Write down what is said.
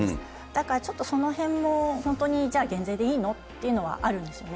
だからちょっとそのへんも本当にじゃあ、減税でいいのっていうのはあるんですよね。